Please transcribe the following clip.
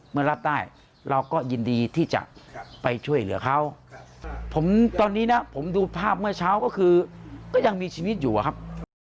เมื่อรับได้เราก็ยินดีที่จะไปช่วยเหลือเขาผมตอนนี้นะผมดูภาพเมื่อเช้าก็คือก็ยังมีชีวิตอยู่อะครับ